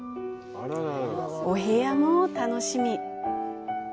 お部屋も楽しみ。